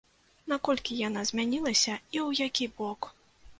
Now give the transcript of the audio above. Наколькі яна змянілася, і ў які бок?